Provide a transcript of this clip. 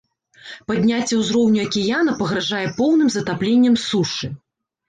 Падняцце ўзроўню акіяна пагражае поўным затапленнем сушы.